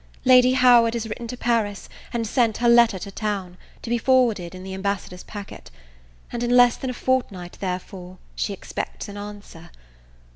Lady Howard has written to Paris, and sent her letter to town, to be forwarded in the ambassador's packet; and, in less than a fortnight, therefore, she expects an answer.